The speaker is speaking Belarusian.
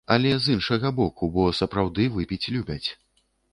Але, з іншага боку, бо сапраўды выпіць любяць.